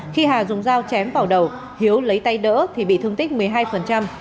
khi hà dùng dao chém vào đầu hiếu lấy tay đỡ thì bị thương tích một mươi hai